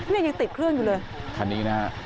ยังติดเครื่องอยู่เลยคันนี้นะฮะ